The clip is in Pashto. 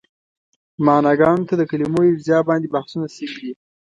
معناګانو ته د کلمو ارجاع باندې بحثونه شوي دي.